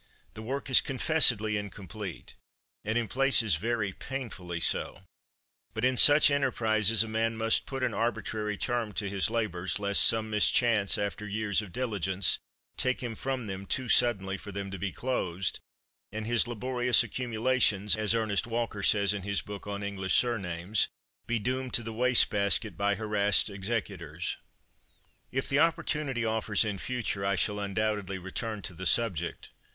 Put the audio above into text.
The work is confessedly incomplete, and in places very painfully so, but in such enterprises a man must put an arbitrary term to his labors, lest some mischance, after years of diligence, take him from them too suddenly for them to be closed, and his laborious accumulations, as Ernest Walker says in his book on English surnames, be "doomed to the waste basket by harassed executors." If the opportunity offers in future I shall undoubtedly return to the subject.